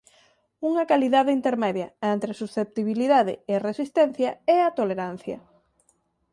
Unha calidade intermedia entre susceptibilidade e resistencia é a tolerancia.